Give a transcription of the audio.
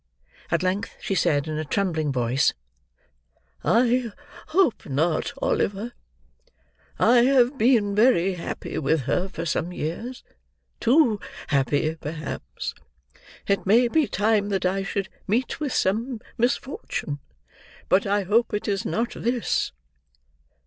At length, she said, in a trembling voice: "I hope not, Oliver. I have been very happy with her for some years: too happy, perhaps. It may be time that I should meet with some misfortune; but I hope it is not this."